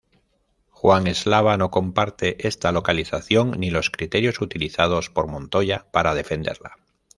Juan Eslava no comparte esta localización ni los criterios utilizados por Montoya para defenderla.